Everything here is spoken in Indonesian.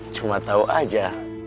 cuma tahu saja